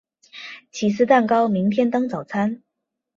起司蛋糕明天当早餐